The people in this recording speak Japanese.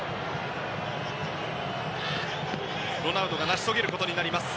ロナウドが成し遂げることになります。